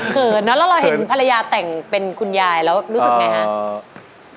เนอะแล้วเราเห็นภรรยาแต่งเป็นคุณยายแล้วรู้สึกไงครับ